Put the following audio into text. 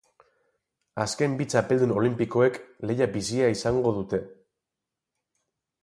Azken bi txapeldun olinpikoek lehia bizia izango dute.